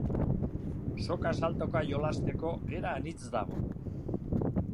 Soka saltoka jolasteko era anitz dago.